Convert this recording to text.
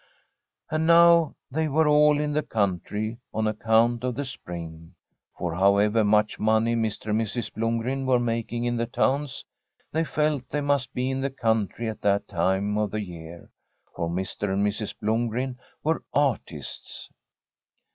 And now they were all in the country on ac count of the spring. For however much money Mr. and Mrs. Blomgren were making in the towns, they felt they tnttst be in the country at that time of the year, for Mr. and Mrs. Blomgren were artists.